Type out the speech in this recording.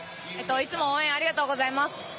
いつも応援ありがとうございます。